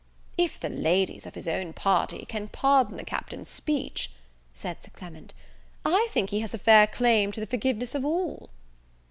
"If the ladies of his own party can pardon the Captain's speech," said Sir Clement, "I think he has a fair claim to the forgiveness of all."